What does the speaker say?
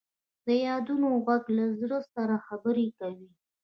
د یادونو ږغ له زړه سره خبرې کوي.